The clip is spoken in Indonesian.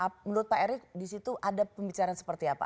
menurut pak erick di situ ada pembicaraan seperti apa